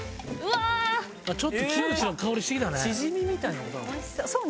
ちょっとキムチの香りしてきたね。